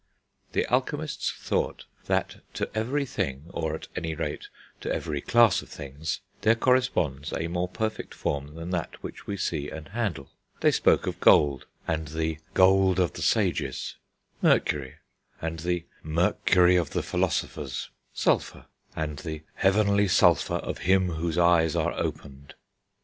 The alchemists thought that to every thing, or at any rate to every class of things, there corresponds a more perfect form than that which we see and handle; they spoke of gold, and the gold of the Sages; mercury, and the mercury of the Philosophers; sulphur, and the heavenly sulphur of him whose eyes are opened.